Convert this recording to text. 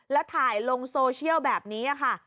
แล้วถ่ายลงโซเชียลแบบนี้ค่ะ